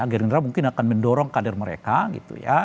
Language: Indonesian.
gerindra mungkin akan mendorong kader mereka gitu ya